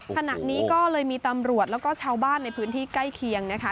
ขณะนี้ก็เลยมีตำรวจแล้วก็ชาวบ้านในพื้นที่ใกล้เคียงนะคะ